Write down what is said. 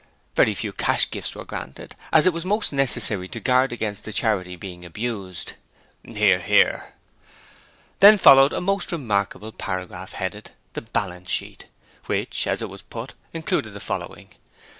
Very few cash gifts were granted, as it was most necessary to guard against the Charity being abused. (Hear, hear.) Then followed a most remarkable paragraph headed 'The Balance Sheet', which as it was put 'included the following'.